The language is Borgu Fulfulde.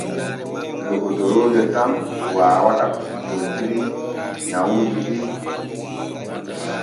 Lokotoroojo tan waawata ko suttontiri nyawneeji ɗi.